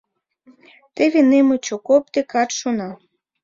Теве немыч окоп декат шуна.